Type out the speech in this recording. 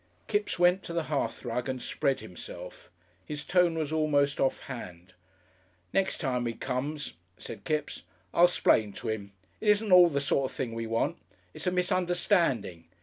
Kipps went to the hearthrug and spread himself. His tone was almost offhand. "Nex' time 'e comes," said Kipps, "I'll 'splain to him. It isn't at all the sort of thing we want. It's it's a misunderstanding.